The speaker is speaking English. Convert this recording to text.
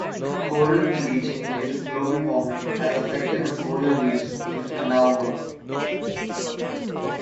Coral bleaching due to global warming has affected the coral reefs in Hanauma.